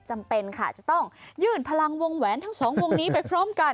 จำเป็นค่ะจะต้องยื่นพลังวงแหวนทั้งสองวงนี้ไปพร้อมกัน